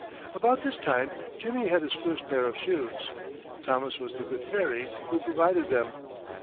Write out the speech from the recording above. About this time Jimmy had his first pair of shoes. Thomas was the good fairy who provided them.